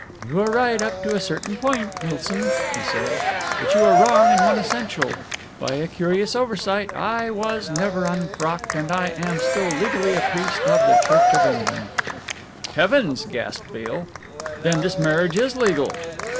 "You are right up to a certain point, Milsom," he said, "but you are wrong in one essential. By a curious oversight I was never unfrocked, and I am still legally a priest of the Church of England." "Heavens!" gasped Beale, "then this marriage is legal!"